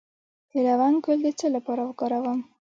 د لونګ ګل د څه لپاره وکاروم؟